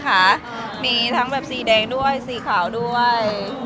คุณดรคุณนั้นพูดบ่อย